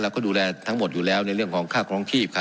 ดูแลทั้งหมดอยู่แล้วในเรื่องของค่าครองชีพค่ะ